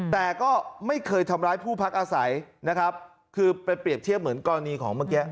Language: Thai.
แต่ก็ไม่เคยทำร้ายผู้พักอาศัยนะครับคือไปเปรียบเทียบเหมือนกรณีของเมื่อกี้